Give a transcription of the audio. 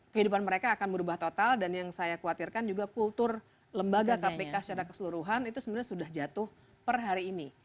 kehidupan mereka akan berubah total dan yang saya khawatirkan juga kultur lembaga kpk secara keseluruhan itu sebenarnya sudah jatuh per hari ini